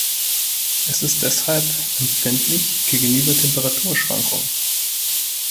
Es ist deshalb empfindlich gegenüber Temperaturschwankungen.